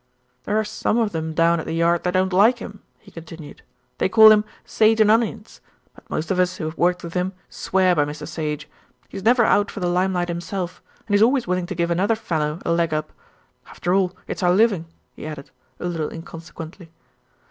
"There are some of them down at the Yard that don't like him," he continued. "They call him 'Sage and Onions'; but most of us who have worked with him swear by Mr. Sage. He's never out for the limelight himself, and he's always willing to give another fellow a leg up. After all, it's our living," he added, a little inconsequently.